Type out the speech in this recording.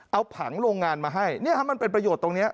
เอาผังโรงงานมาให้เนี่ยฮะมันเป็นประโยชน์ตรงนี้